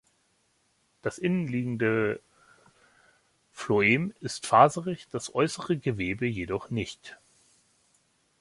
Das innenliegende Phloem ist faserig, das äußere Gewebe jedoch nicht.